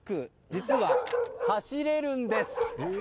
実は走れるんです！